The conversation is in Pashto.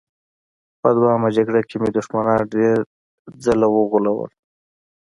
په دویمه جګړه کې مې دښمنان ډېر ځله وغولول